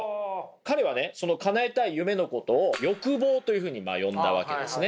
彼はねかなえたい夢のことを欲望というふうに呼んだわけですね。